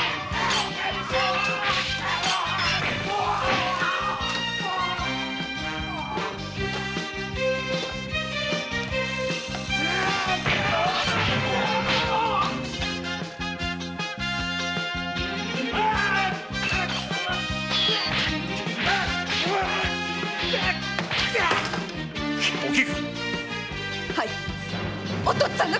お父っつぁんの敵！